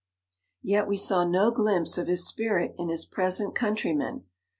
Yet we saw no glimpse of his spirit in his pre sent countrymen.